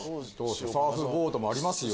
サーフボードもありますよ。